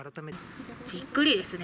びっくりですね。